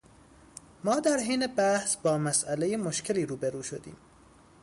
ما در حین بحث با مسئلهٔ مشکلی رو به رو شدیم.